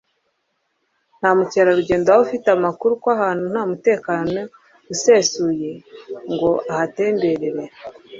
Nta mukerarugendo waba afite amakuru ko ahantu nta umutekano usesuye ngo ahatemberere